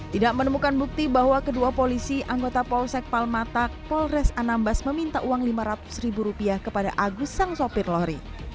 tidak menemukan bukti bahwa kedua polisi anggota polsek palmatak polres anambas meminta uang lima ratus ribu rupiah kepada agus sang sopir lori